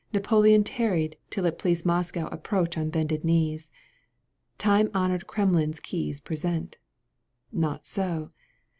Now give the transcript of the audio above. canto vil Napoleon tarried till it please Moscow approach on bended knees, Time honoured Kremlin's keys present. Not so